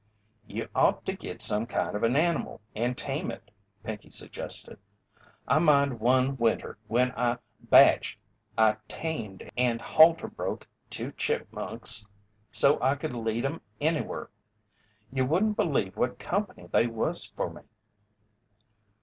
"You ought to git some kind of an animal and tame it," Pinkey suggested. "I mind one winter when I 'bached' I tamed and halter broke two chipmunks so I could lead 'em anywhur. You wouldn't believe what company they was for me."